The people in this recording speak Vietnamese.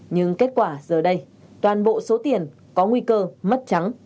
nhưng kết quả giờ đây toàn bộ số tiền có nguy cơ mất trắng